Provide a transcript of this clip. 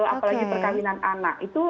apalagi perkawinan anak itu